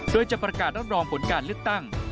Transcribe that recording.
โดยจะประกาศรับรองผลการเลือกตั้ง